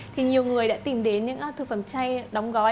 thì nhiều người đã tìm đến những thực phẩm chay đóng gói